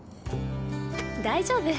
大丈夫。